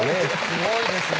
すごいですね。